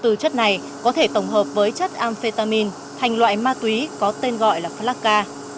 từ chất này có thể tổng hợp với chất amphetamin thành loại ma túy có tên gọi là flacca